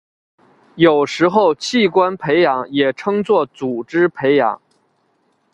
有时候器官培养也称作组织培养。